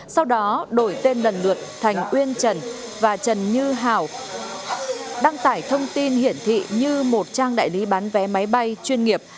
sau đó đổi tên lần lượt thành uyên trần và trần như hảo đăng tải thông tin hiển thị như một trang đại lý bán vé máy bay chuyên nghiệp